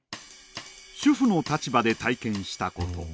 主婦の立場で体験したこと。